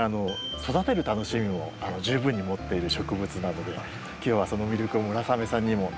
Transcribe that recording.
育てる楽しみも十分に持っている植物なので今日はその魅力を村雨さんにも知って頂こうと思います。